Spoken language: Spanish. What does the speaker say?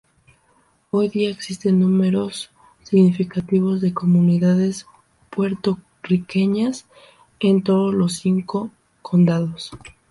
Hoy día existen números significativos de comunidades puertorriqueñas en todos los cinco condados.